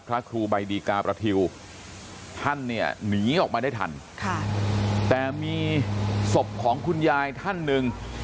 พระครูใบดีกาประทิวท่านเนี่ยหนีออกมาได้ทันแต่มีศพของคุณยายท่านหนึ่ง